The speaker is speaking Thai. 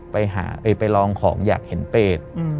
ไปหาไปลองของอยากเห็นเปรต